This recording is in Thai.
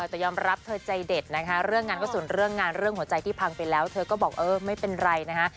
แต่ยอมรับเธอใจเด็ดนะคะเรื่องงานกระสุนเรื่องงานเรื่องหัวใจที่พังไปแล้วเธอก็บอกเออไม่เป็นไรนะคะ